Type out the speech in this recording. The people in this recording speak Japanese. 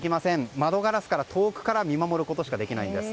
窓ガラスから遠くからしか見守ることができないんです。